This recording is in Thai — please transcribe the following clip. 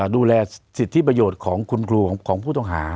ดูแลสิทธิประโยชน์ของคุณครูของผู้ต้องหา